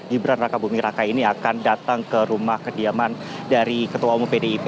gibran raka buming raka ini akan datang ke rumah kediaman dari ketua umum pdip